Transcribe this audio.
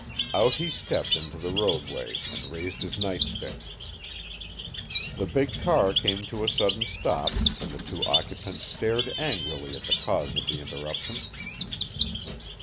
Out he stepped into the roadway and raised his nightstick. The big car came to a sudden stop and the two occupants stared angrily at the cause of the interruption.